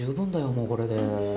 もうこれで。